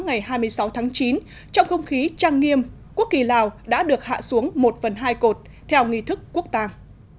ngày hai mươi sáu tháng chín trong không khí trang nghiêm quốc kỳ lào đã được hạ xuống một phần hai cột theo nghi thức quốc tàng